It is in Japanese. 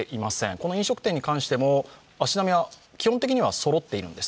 この飲食店に関しても、足並みは基本的にはそろっているんです。